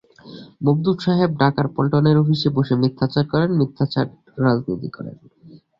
মওদুদ সাহেব ঢাকার পল্টনের অফিসে বসে মিথ্যাচার করেন, মিথ্যাচারের রাজনীতি করেন।